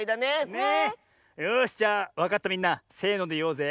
よしじゃあわかったみんなせのでいおうぜ。